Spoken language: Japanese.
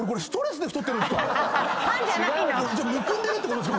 ストレス。